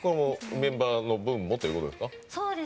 メンバーの分もっていうことですか？